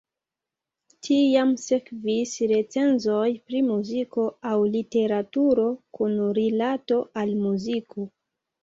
Tiam sekvis recenzoj pri muziko aŭ literaturo kun rilato al muziko.